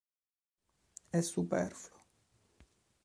È superfluo.